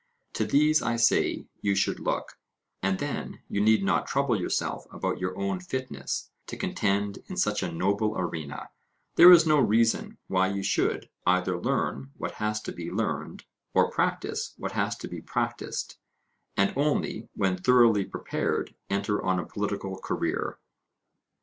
To these, I say, you should look, and then you need not trouble yourself about your own fitness to contend in such a noble arena: there is no reason why you should either learn what has to be learned, or practise what has to be practised, and only when thoroughly prepared enter on a political career.